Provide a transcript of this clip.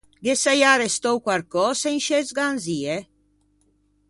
Ghe saià arrestou quarcösa in scê sganzie?